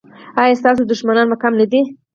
ایا ستاسو دښمنان کم نه دي؟